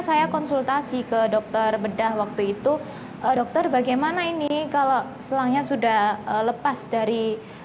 saya konsultasi ke dokter bedah waktu itu dokter bagaimana ini kalau selangnya sudah lepas dari